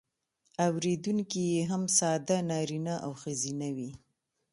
اوریدونکي یې هم ساده نارینه او ښځینه وي.